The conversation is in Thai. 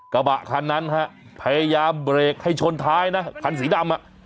กระบะคันนั้นฮะพยายามเบรกให้ชนท้ายนะคันสีดำอ่ะ